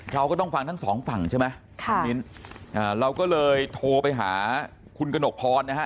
เราก็ต้องฟังทั้งสองฝั่งใช่ไหมเราก็เลยโทรไปหาคุณกนกพรนะ